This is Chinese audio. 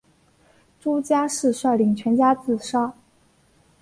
朱家仕率领全家自杀。